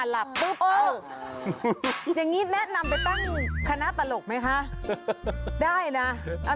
ลาบปุ๊บเอางี้แนะนำไปตั้งคณะตลกไหมครับ